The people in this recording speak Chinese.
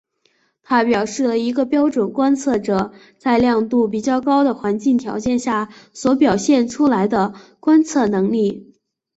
它表示了一个标准观测者在亮度比较高的环境条件下所表现出来的观测能力。